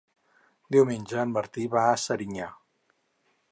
Diumenge en Martí va a Serinyà.